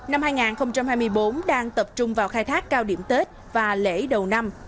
năm hai nghìn hai mươi bốn đang tập trung vào khai thác cao điểm tết và lễ đầu năm